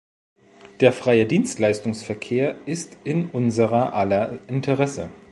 Der freie Dienstleistungsverkehr ist in unser aller Interesse.